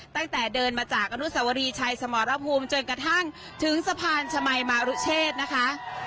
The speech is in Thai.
ตั้งแต่เดินมาจากอนุสวรีชัยสมรภูมิจนกระทั่งถึงสะพานชมัยมารุเชษนะคะ